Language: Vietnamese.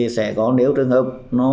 sẽ có nếu trường hợp